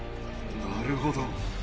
なるほど。